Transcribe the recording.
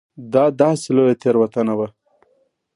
دا داسې لویه تېروتنه وه.